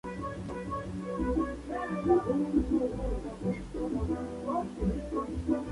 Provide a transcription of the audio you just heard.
Está abierto al público todos los días de la semana excepto los sábados.